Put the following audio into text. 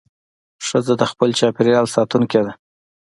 ښځه د خپل چاپېریال ساتونکې ده.